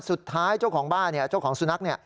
สุดท้ายเจ้าของบ้านเจ้าของสุนัข